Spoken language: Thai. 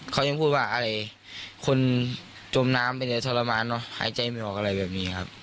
เขายังพูดว่าอะไรคนจมน้ำไปเลยทรมานเนอะหายใจไม่ออกอะไรแบบนี้ครับ